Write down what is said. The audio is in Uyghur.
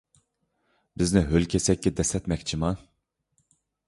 بىزنى ھۆل كېسەككە دەسسەتمەكچىما؟